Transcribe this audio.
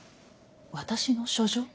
私の書状？